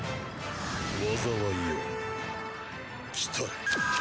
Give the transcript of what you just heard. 災いよ来たれ。